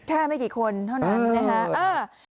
ใช่ไม่กี่คนเท่านั้นนะครับ